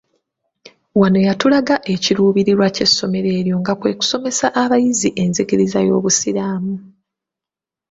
Wano yatulaga ekiruubirirwa ky'essomero eryo nga kwe kusomesa abayizi enzikiriza y'obusiraamu.